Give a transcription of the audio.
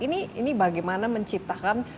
ini bagaimana menciptakan